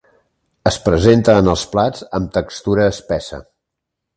Es presenta en els plats amb textura espessa.